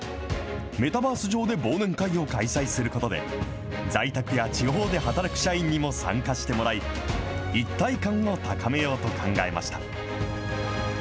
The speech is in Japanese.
メタバース上で忘年会を開催することで、在宅や地方で働く社員にも参加してもらい、一体感を高めようと考えました。